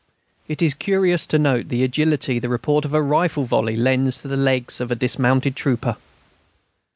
It is curious to note the agility the report of a rifle volley lends to the legs of a dismounted trooper.